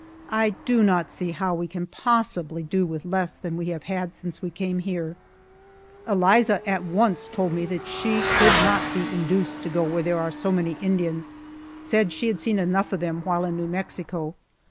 I do not see how we can possibly do with less than we have had since we came here. Eliza announced at once that she could not be induced to go where there are so many Indians said she had seen enough of them while in New Mexico.